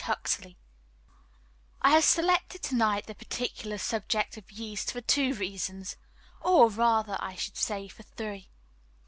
Huxley I HAVE selected to night the particular subject of Yeast for two reasons or, rather, I should say for three.